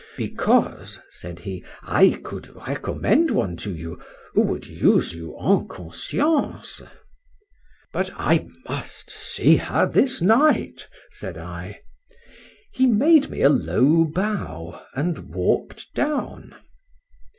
—Because, said he, I could recommend one to you who would use you en conscience.—But I must see her this night, said I.—He made me a low bow, and walk'd down.